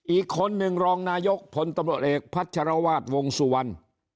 อีกคนหนึ่งรองนายกผลตำรวจเอกพัชรวาสวงสุวรรณ